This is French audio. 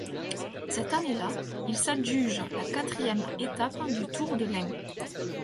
Cette année-là, il s'adjuge la quatrième étape du Tour de l'Ain.